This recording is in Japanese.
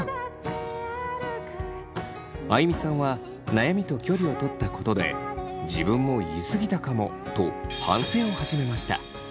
あいみさんは悩みと距離をとったことで自分も言い過ぎたかもと反省を始めました。